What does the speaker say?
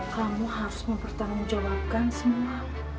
kamu harus mempertanggungjawabkan semua